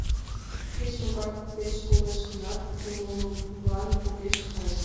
Кеч-могай купеч толеш гынат, тудо молылан огеш кай.